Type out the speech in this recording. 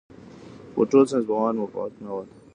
خو ټول ساینسپوهان موافق نه دي.